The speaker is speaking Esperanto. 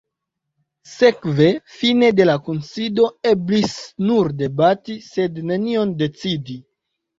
Sekve fine de la kunsido eblis nur debati, sed nenion decidi.